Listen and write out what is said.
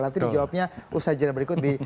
nanti dijawabnya usaha jenayah berikut di